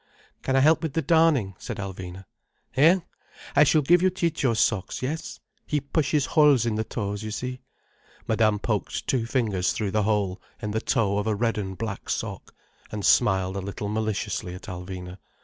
"Can I help with the darning?" said Alvina. "Hein? I shall give you Ciccio's socks, yes? He pushes holes in the toes—you see?" Madame poked two fingers through the hole in the toe of a red and black sock, and smiled a little maliciously at Alvina.